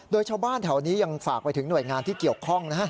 โดยชาวบ้านแถวนี้ยังฝากไปถึงหน่วยงานที่เกี่ยวข้องนะฮะ